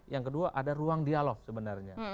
yang kedua ada ruang dialog sebenarnya